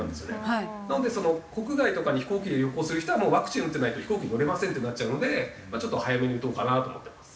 なので国外とかに飛行機で旅行する人はもうワクチン打ってないと飛行機乗れませんってなっちゃうのでちょっと早めに打とうかなと思ってます。